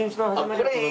これいい！